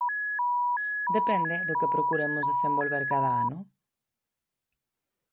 Depende do que procuremos desenvolver cada ano.